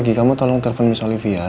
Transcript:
tidak ada meletakkan perubatan